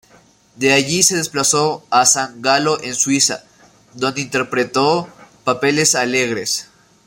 De allí se desplazó a San Galo, en Suiza, donde interpretó papeles alegres.